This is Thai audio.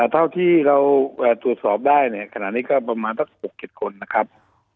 เท่าที่เราตรวจสอบได้เนี่ยขณะนี้ก็ประมาณสัก๖๗คนนะครับ